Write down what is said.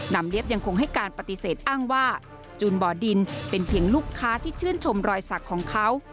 เลี๊ยบยังคงให้การปฏิเสธอ้างว่าจูนบ่อดินเป็นเพียงลูกค้าที่ชื่นชมรอยสักของเขา